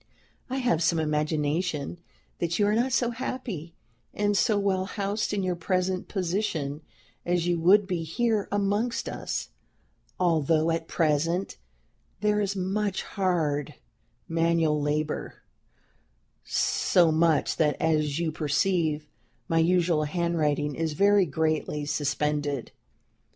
"I have some imagination that you are not so happy and so well housed in your present position as you would be here amongst us; although at present there is much hard manual labor, so much that, as you perceive, my usual handwriting is very greatly suspended.